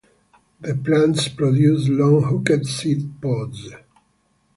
The plants produce long, hooked seed pods.